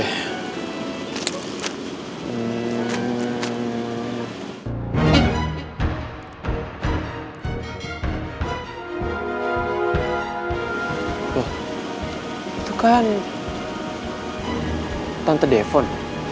loh itu kan tante defon